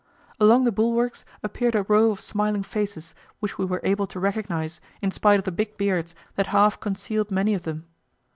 Along the bulwarks appeared a row of smiling faces, which we were able to recognize in spite of the big beards that half concealed many of them.